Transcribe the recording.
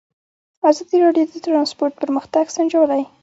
ازادي راډیو د ترانسپورټ پرمختګ سنجولی.